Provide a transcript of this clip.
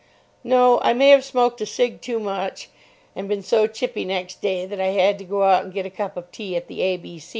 No; I may have smoked a cig. too much and been so chippy next day that I had to go out and get a cup of tea at the A.